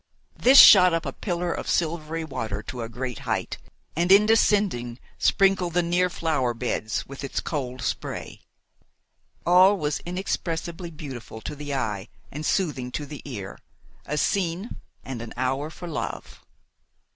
This shot up a pillar of silvery water to a great height, and in descending sprinkled the near flower beds with its cold spray. All was inexpressibly beautiful to the eye and soothing to the ear a scene and an hour for love.